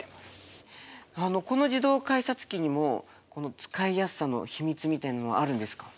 この自動改札機にも使いやすさの秘密みたいのはあるんですか？